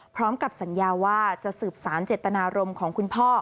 พร้อมกับสัญญาว่าจะสืบสารเจตนารมณ์ของคุณพ่อ